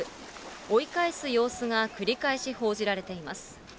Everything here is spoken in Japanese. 追い返す様子が繰り返し報じられています。